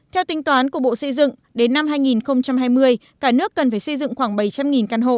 theo tính toán của bộ xây dựng đến năm hai nghìn hai mươi cả nước cần phải xây dựng khoảng bảy trăm linh căn hộ